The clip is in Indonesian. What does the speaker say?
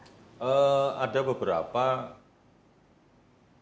sumber dari pendapatan negara bukan pajak apa lagi sih pak